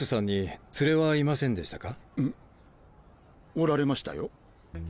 おられましたよ。